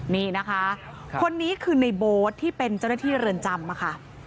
นี่นะคะคนนี้คือในโบ๊ทที่เป็นเจ้าหน้าที่เรือนจำค่ะ